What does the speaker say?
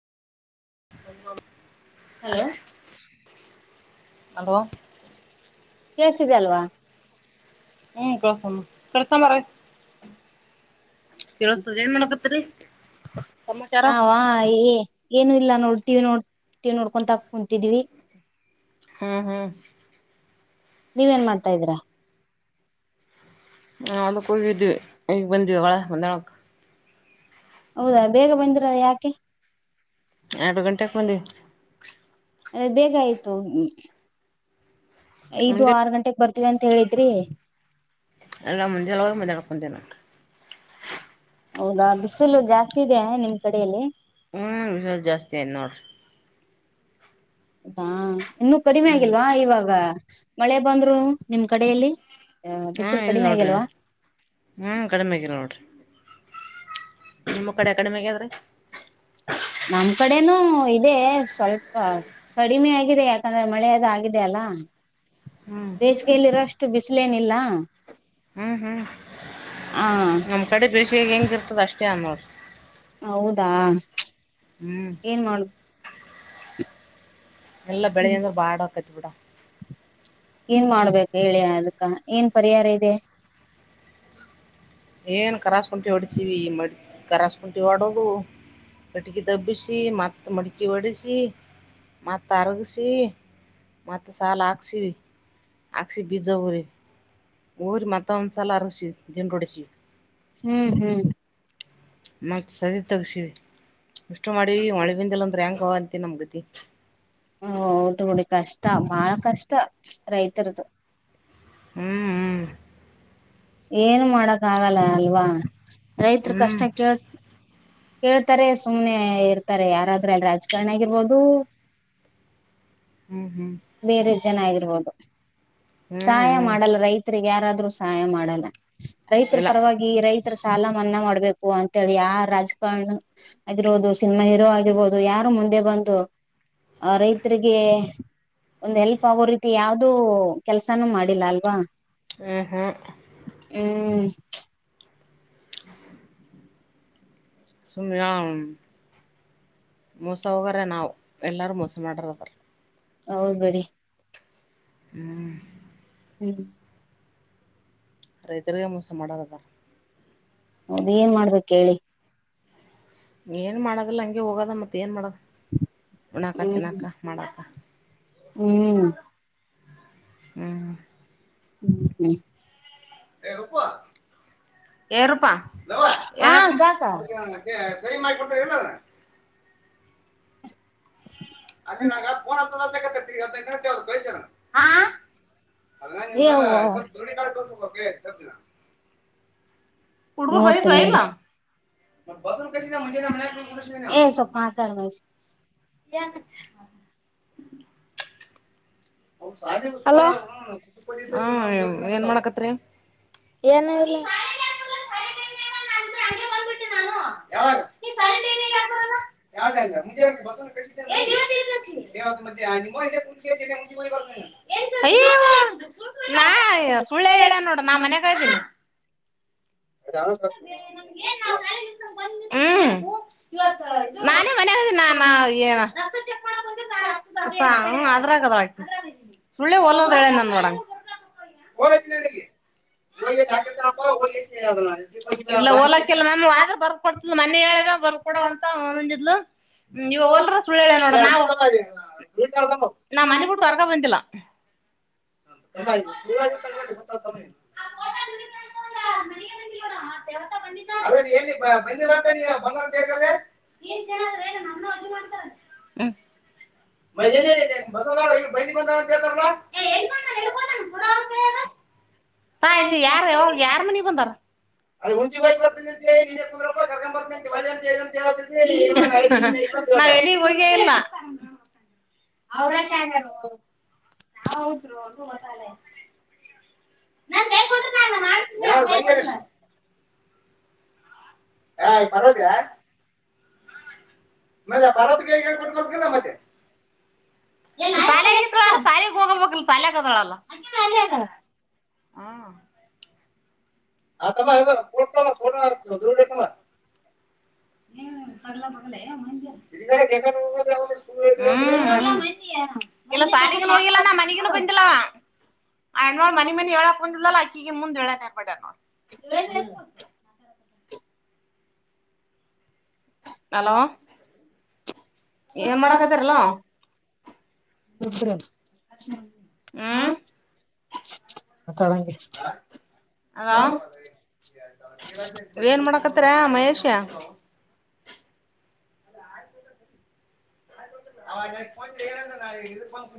Hello hello ಕೇಳ್ಸಿದೆ ಅಲ್ವಾ. ಕೇಳತದ ಏನ್ ಮಾಡಕತ್ರಿ. [inaudible] ನಾವ ಇ ಏನು ಇಲ್ಲ ನೋಡ್ ಟಿವಿ ನೋಡ್ ಟಿವಿ ನೋಡ್ಕೊಂತಾ ಕುಂತಿದಿವಿ. ಹ್ಮ ಹ್ಮ. ನೀವ ಏನ್ ಮಾಡ್ತಾ ಇದೀರಾ. ಹಾ ಮ ಫುಲ್ ಇದ್ದೀವಿ ಈಗ ಬಂದ್ವಿ ಒಂದಾಲಕ ಹೌದಾ ಬೇಗ ಬಂದಿರ ಯಾಕೆ. ಯಡ ಗಂಟೆ ಬಂದ ಅದೇ ಹೇಗ ಆಯ್ತು. ಐದು ಮುಂಜೆ ಆರ್ ಗಂಟೆೆಗ ಬರ್ತೀವಿ ಅಂತ ಹೇಳಿದ್ರಿ. ಅಲ್ಲ ಮುಂಜಾಳೆ ಹೋಗಿ ಮಾಡ್ಯಾಳಕ ಬಂದು ನೋಡ್ರಿ. ಹೌದಾ ಬಿಸಿಲ ಜಾಸ್ತಿ ಇದೆ ನಿಮ್ ಕಡಲ್ಲಿ ಹ್ಮ ವಿಲ್ ಜಾಸ್ತಿ ಆರ್ ನೋಡ್ರಿ. ಹೌದಾ ಇನ್ನುೂ ಕಡಿಮೆ ಹ್ಮ್ ಆಗಿಲ್ವಾ ಇವಾಗ ಮಳೆ ಬಂದ್ರು ನಿಮ್ ಕಡೆಯಲ್ಲಿ ಹ್ಮ್ ಬಿಸಿಲು ಇಲ್ ಕಡಿಮೆ ನೋಡ್ರಿದ ಆಗಿಲ್ವಾ ಹ್ಮ್ ಕಡಿಮೆ ಆಗಲ್ ನೋಡ್ರಿ ನಿಮ್ಮ ಕಡೆ ಕಡಿಮೆಗಾದ್ರಿ ನಮ್ ಕಡೆನೂ ಇದೆ ಸ್ವಲ್ಪ ಕಡಿಮೆ ಆಗಿದೆ ಯಾಕಂದ್ರೆ ಮಳೆದು ಆಗಿದೆ ಅಲ್ಲ ಹ್ಮ್ ಬೇಸಿಗೆಯಲ್ಲಿರೋಷ್ಟು ಬಿಸಿಲೇನಿಲ್ಲ ಹ್ಮ್ ಹ್ಮ್ ಹ ನಮ್ ಕಡೆ ಬೇಸಿಯಗ್ ಹೆಂಗ ಇರ್ತದ ಅಷ್ಟೇ ಅನ್ನೋ ಹೌದಾ ಹ್ಮ್ ಏನ್ ಮಾಡ ಎಲ್ಲಾ ಬೆಳಗ್ ಹ್ಮ್ ಅಂದ್ರ ಬಾಡ ಆಕತಿ ಬಿಡ ಏನ್ ಮಾಡ್ಬೇಕು ಹೇಳಿ ಅದಕ್ಕ ಏನ್ ಪರಿಹಾರ ಇದೆ ಏನು ಕರಸ್ಕುಟು ಹೊಡ್ತೀವಿ ಈ ಮ ಕರಸ್ಕುಟು ಹೊಡೋದು ಕಟಕಿ ದಬ್ಬಿಸಿ ಮತ್ತ ಮಡಕಿ ಒಡಿಸಿ ಮತ್ತ ಅರಗಿಸಿ ಮತ್ತೆ ಸಾಲ ಹಾಕ್ಸ ಹಾಕ್ಸಿ ಬೀಜವರಿ ಊರಿ ಮತ್ತ ಒಂದುಸಾಲ ಅರಸಿ ಜಂಡೋಡಸಿ ಹ್ಮ್ ಹ್ಮ್ ಮತ್ತತ್ ಸದ ತಗಸಿವ ಇಷ್ಟು ಮಾಡಿವಿ ಮಳೆಗಿಂದಲ ಅಂದ್ರಂಗ ಓ ಅಂತ ನಮ್ಗತಿ ಹೌದುಡಿ ಕಷ್ಟ ಮಹಳ ಕಷ್ಟ ರೈತರದು ಹ್ಮ್ ಹ್ಮ್ ಏನು ಮಾಡಕ್ ಆಗಲ್ಲ ಅಲ್ವಾ ರೈತ್ರರು ಕಷ್ಟ ಹ್ಮ್ ಕೇಳ್ ಕೇಳ್ತಾರೆ ಸುಮ್ನೆ ಇರ್ತಾರೆ ಯಾರಾದ್ರ ಅಲ್ಲಿ ರಾಜಕಾರಣಿ ಆಗಿರ್ಬೋದು ಹ್ಮ್ ಹ್ಮ್ ಹ್ಮ್ ಬೇರೆ ಜನ ಆಗಿರ್ಬೋದು ಹ್ಮ್ ಸಹಾಯ ಹ್ಮ್ ಮಾಡಲ್ಲ ರೈತರಿಗೆ ಯಾರಾದ್ರರು ಸಹಾಯ ಮಾಡಲ್ಲ ರೈತರ ಇಲ್ಲ ಪರವಾಗಿ ಈ ರೈತ ತ್ರ ಸಾಲ ಮನ್ನಾ ಮಾಡ್ಬೇಕು ಅಂತೇಳಿ ಯ ರಾಜಕಾರಣ ಆಗಿರೋದು ಸಿನಿಮಾ ಹೀರೋ ಆಗಿ ಇರ್ಬೋದು ಯಾರು ಮುಂದೆ ಬಂದು ಆ ರೈತರಿಗೆ ಒಂದ್ ಹೆಲ್ಪ್ ಆಗೋ ರೀತಿ ಯಾವ್ದೂ ಕೆಲ್ಸಾನೂ ಮಾಡಿಲ್ಲ ಅಲ್ವಾ ಹ್ಮ ಹ್ಮ್ ಹ್ಮ್ ಸುಮ್ನಯಾ ಮೋಸ ಹೋಗರ ನಾವು ಎಲ್ಲಾರೂ ಮೋಸ ಮಾಡಾರದ್ರ ಹೌ ಬಡಿ ಹ್ಮ್ ಹ್ಮ್ ರೈ ತಿರುಗಾ ಮೋಸ ಮಾಡರಾದಾರ ಹೌದ ಏನ್ ಮಾಡ್ಬೇಕ ಹೇಳಿ ಏನ್ ಮಾಡದಲ್ಲ ಹಂಗೆ ಹೋಗೋದ ಮತ್ತ ಏನ್ ಮಾಡದ ಉಣ್ಣಾಕ ಹ್ಮ್ ತಿನ್ನಾಕ ಮಾಡಾಕ ಹ್ಮ್ ಹ್ಮ್ ಹ್ಮ್ ಹ್ಮ್ ಹೇ ರುಕ್ಕು ಏರುಪಾ ದವಾ ಯಾ ಹಾ ಕಾಕ ಯದ ಸರಿ ಮಾಡು ಕೊೊಡ್ತಲ್ಲ ಅಂ ನಾಗಫೋನ್ ಹತ್ತತ್ತಗದ ನೆ ಯಾವ್ದು ಪೈಸನ ಹಾ ಆ ಏ ಹದಿನ ಸ್ವಲ್ ೋಣಿ ಕಡೆ ತೋರ್ಕಬೇಕ ಸವ ದಿನ ಹುಡುಗುರು ಬರಿತ್ ನೋಡ್ತೀನಿ ಇಲ್ಲ ಬಸು ಕಸ ನ ಮಜೆ ನ ಕುಸ ಯಾಕ [inaudible] ಹಲೋ [unintelligible] ಹ್ಮ್ ಏನ್ ಮಾಡಕತ್ರಿ ಏನು ಇಲ್ಲ [unintelligible] ಹ್ಮ ಯಾವಾಗ ನೀವು ಸಾಲಿ ಟೈಮ್ದಾಗ ಯಾಕ್ ಬರಲ್ಲ ಯಾವ ಟೈಮ್ ನಾಗ ಮುಂಜೆ ಬಸಣ್ಣ ಕಳ್ಸಿದ್ನಲ್ಲ ಹೇ ಇವತ್ ಹೇಳ್ ಕಳ್ಸಿ [unintelligible] ಅಯ್ಯು ನಾ ಸುಳ್ಳೇ ಹೇಳನ್ ನೋಡು ನಾ ಮನೆ [unintelligible] [unintelligible] ಹ್ಮ ನಾನೇ ಮನೆಗಿದ್ನ್ [unintelligible] ಅದ್ರ ಗದ ಸುಳ್ಳೆ ಓಲದಳೇ [unintelligible] ಎಲ್ಲ ಓಲಕಲ್ಲ [unintelligible] ಆದ್ರ ಬರ್ ಕೊಡ್ತದ ಮನ್ನೆ ಹೇಳಿದಾಗ ಕೂಡ ಅಂತ [unintelligible] ಇವ ಹೋಲ್ರ ಸುಳ್ಳೆಳ್ನೋಡ್ ನಾನ್ ನಾ ಮನೆ ಬಿಟ್ಟು ಹೊರ್ಗ ಬಂದಿಲ್ಲ [unintelligible] ಏ ಬಂದಿರಂತ ನೀ [unintelligible] ಏನ್ ಜನಾದ್ರಿ ಏ ನನ್ನ ಅಜಿಬ್ ಮಾಡ್ತಾರ [unintelligible] [unintelligible] ಯಾರು ಯಾರ್ ಮನಿಗ್ ಬಂದಾರ [unintelligible] ನಾ ಎಲ್ಲಿಗ್ ಹೋಗೆ ಇಲ್ಲ [unintelligible] ನಾವ್ [unintelligible] ನನ್ ಕೈ ಕೊಟ್ರ ಬಂದಿರಲ್ಲ [unintelligible] ಮತ್ತೆ ಪರಾ [unintelligible] ಮತ್ತೆ ಸಾಲಕಿತ್ತಳ ಅಲ್ಲ ಸಾಲಿಗ್ ಹೋಗಬೇಕಲ್ಲ ಸಾಲೆಗ್ದಾಳಲ್ಲ ಹಾ ಫೋಟೋ [unintelligible] ಹ್ಮ ಹ್ಮ ಮಾಡ್ತೀನಿ. ಇಲ್ಲ ಸಾಲಿಗು ಹೋಗಿಲ್ಲ ನಾ ಮನಗೂ ಬಂದಿಲ್ಲವ [unintelligible] ಮನೆ ಮನಿ ಹೇಳಕ್ ಬಂದ [unintelligible] [unintelligible] ಮುಂದ್ [unintelligible] ಹಲೋ ಏನ್ ಮಾಡಾಕತ್ತಿರಲ್ಲ [unintelligible] ಹ್ಮ್ [unintelligible] ಹಲೋ ಏನ್ ಮಾಡಕತ್ತಿರೆ ಮಹೇಶ [unintelligible]